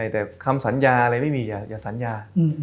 แต่คำสัญญาอะไรไม่มีอย่าสัญญา